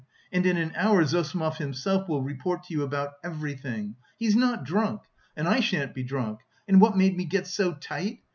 And in an hour Zossimov himself will report to you about everything. He is not drunk! And I shan't be drunk.... And what made me get so tight?